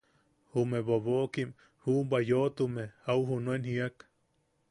Jume bobokim juʼubwa yoʼotume au junen jíak: